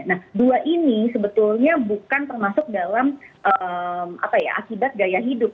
nah dua ini sebetulnya bukan termasuk dalam akibat gaya hidup